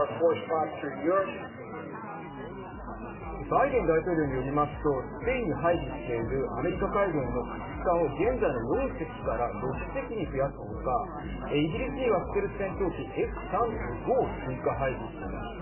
バイデン大統領によりますとスペインに配備しているアメリカ海軍の駆逐艦を現在の４隻から６隻に増やすほかイギリスにはステルス戦闘機Ｆ３５を追加配備します。